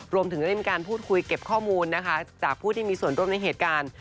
รวมถึงได้มีการพูดคุยเก็บข้อมูลนะคะจากผู้ที่มีส่วนร่วมในเหตุการณ์